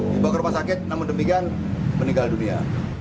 dibawa ke rumah sakit namun demikian meninggal dunia